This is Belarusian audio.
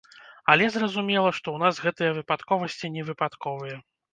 Але, зразумела, што ў нас гэтыя выпадковасці не выпадковыя.